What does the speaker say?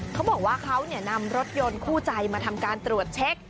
เขาบอกว่าเขานำรถยนต์คู่ใจมาทำการตรวจเช็ค